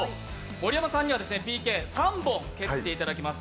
盛山さんにはＰＫ、３本蹴っていただきます。